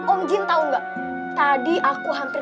om jin tau gak tadi aku hampir